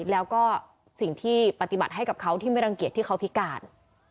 แล้วก็สิ่งที่ปฏิบัติให้กับเขาที่ไม่รังเกียจที่เขาพิการ